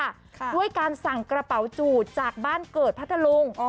ด้วยการสั่งกระเป๋าจูดจากบ้านเกิดพัทธลุง